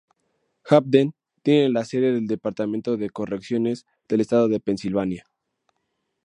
Hampden tiene la sede del Departamento de Correcciones del Estado de Pensilvania.